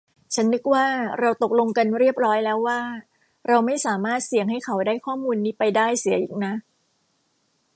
ฉันนีกว่าเราตกลงกันเรียบร้อยแล้วว่าเราไม่สามารถเสี่ยงให้เขาได้ข้อมูลนี้ไปได้เสียอีกนะ